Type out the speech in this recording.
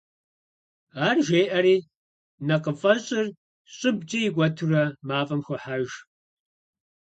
Ар жеӀэри, нэкъыфӏэщӏыр щӀыбкӀэ икӀуэтурэ мафӀэм хохьэж.